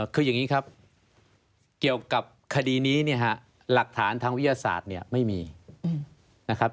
คืออย่างนี้ครับเกี่ยวกับคดีนี้เนี่ยฮะหลักฐานทางวิทยาศาสตร์เนี่ยไม่มีนะครับ